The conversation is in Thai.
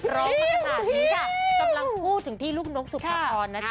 ร้องประสาทนี้ค่ะกำลังพูดถึงที่ลูกน้องสุขภรณ์นะจ๊ะ